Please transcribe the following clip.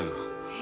え？